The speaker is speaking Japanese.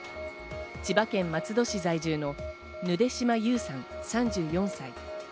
千葉県松戸市在住のぬで島優さん、３４歳。